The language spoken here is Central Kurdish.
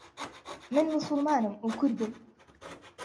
من موسڵمانم و کوردم.